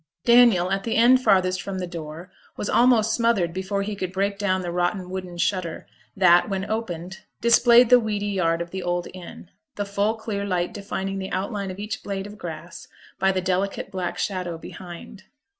Daniel, at the end farthest from the door, was almost smothered before he could break down the rotten wooden shutter, that, when opened, displayed the weedy yard of the old inn, the full clear light defining the outline of each blade of grass by the delicate black shadow behind.